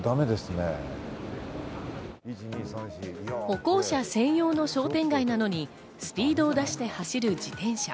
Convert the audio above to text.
歩行者専用の商店街なのにスピードを出して走る自転車。